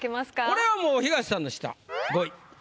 これはもう東さんの下５位。